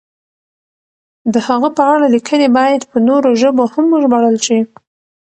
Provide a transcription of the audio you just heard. د هغه په اړه لیکنې باید په نورو ژبو هم وژباړل شي.